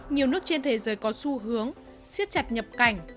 nhiều nước trên thế giới có xu hướng siết chặt nhập cảnh